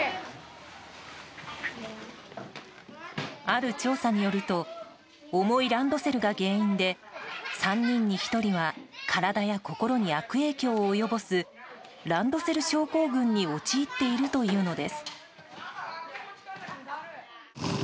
ある調査によると重いランドセルが原因で３人に１人は体や心に悪影響を及ぼすランドセル症候群に陥っているというのです。